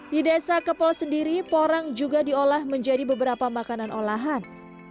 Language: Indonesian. di desa kepol sendiri porang juga diolah menjadi beberapa makanan olahan